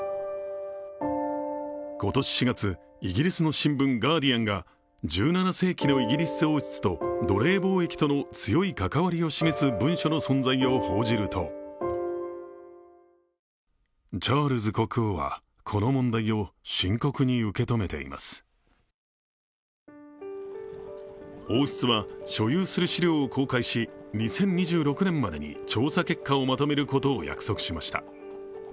今年４月、イギリスの新聞「ガーディアン」が１７世紀のイギリス王室と奴隷貿易との強い関わりを示す文書の存在を報じると王室は、所有する資料を公開し２０２６年までに調査結果をまとめることを約束しました。